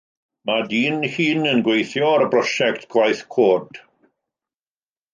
Mae dyn hŷn yn gweithio ar brosiect gwaith coed.